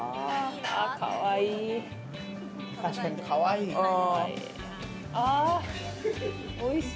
かわいい！